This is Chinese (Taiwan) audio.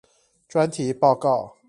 專題報告